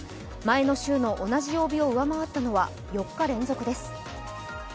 前の週の同じ曜日を上回ったのは４日連続です。